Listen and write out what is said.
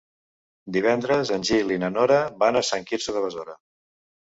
Divendres en Gil i na Nora van a Sant Quirze de Besora.